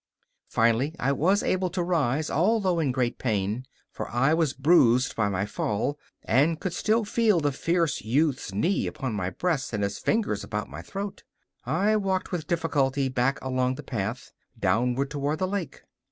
Finally I was able to rise, although in great pain, for I was bruised by my fall, and could still feel the fierce youth's knee upon my breast and his fingers about my throat. I walked with difficulty back along the path, downward toward the lake.